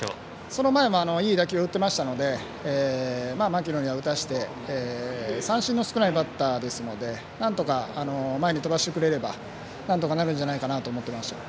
その前もいい打球を打っていましたので牧野には打たせて三振の少ないバッターですのでなんとか前に飛ばしてくれればなんとかなるんじゃないかと思いました。